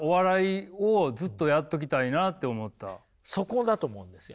そこだと思うんですよ。